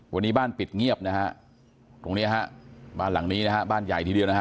วันนี้บ้านปิดเงียบนะฮะตรงนี้ฮะบ้านหลังนี้นะฮะบ้านใหญ่ทีเดียวนะฮะ